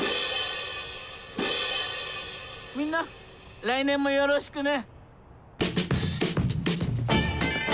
みんな来年もよろしくね。